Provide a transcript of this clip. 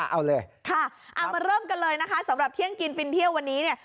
เอาเลยค่ะเอามาเริ่มกันเลยนะคะสำหรับเที่ยงกินฟินเที่ยววันนี้เนี่ย